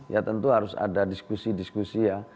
ya tentu harus ada diskusi diskusi ya